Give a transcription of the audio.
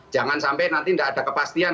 jangan sampai nanti tidak ada kepastian